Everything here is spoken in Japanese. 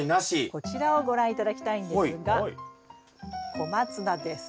こちらをご覧頂きたいんですがコマツナです。